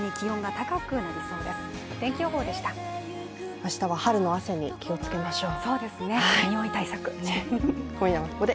明日は春の汗に気をつけましょう。